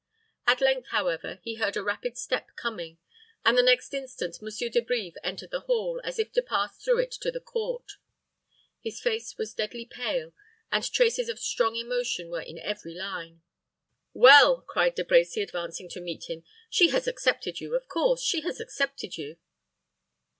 At length, however, he heard a rapid step coming, and the next instant Monsieur De Brives entered the hall, as if to pass through it to the court. His face was deadly pale, and traces of strong emotion were in every line. "Well," cried De Brecy, advancing to meet him; "she has accepted you of course, she has accepted you."